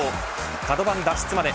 カド番脱出まで